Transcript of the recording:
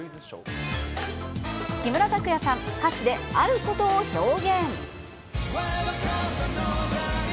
木村拓哉さん、歌詞であることを表現。